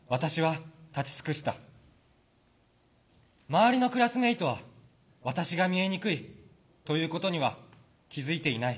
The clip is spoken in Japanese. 周りのクラスメートは私が見えにくいということには気付いていない。